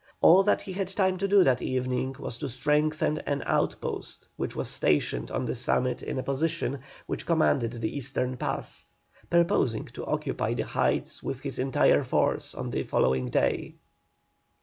All that he had time to do that evening was to strengthen an outpost which was stationed on the summit in a position which commanded the eastern pass, purposing to occupy the heights with his entire force on the following day.